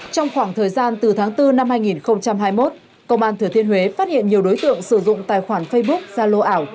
trong khoảng thời gian từ tháng bốn năm hai nghìn hai mươi một công an thừa thiên huế phát hiện nhiều đối tượng sử dụng tài khoản facebook ra lô ảo